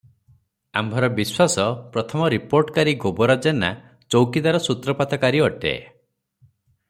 ଆମ୍ଭର ବିଶ୍ୱାସ, ପ୍ରଥମ ରିପୋର୍ଟକାରୀ ଗୋବରା ଜେନା ଚୌକିଦାର ସୂତ୍ରପାତକାରୀ ଅଟେ ।